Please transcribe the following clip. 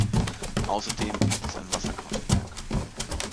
Außerdem gibt es ein Wasserkraftwerk.